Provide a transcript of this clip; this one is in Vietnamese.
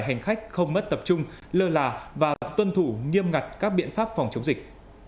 hành khách không mất tập trung lơ là và tuân thủ nghiêm ngặt các biện pháp phòng chống dịch